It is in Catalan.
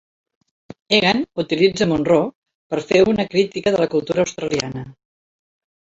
Egan utilitza Munroe per fer una crítica de la cultura australiana.